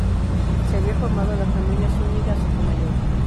Se había formado la familia Zúñiga-Sotomayor.